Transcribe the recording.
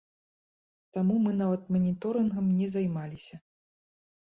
Таму мы нават маніторынгам не займаліся.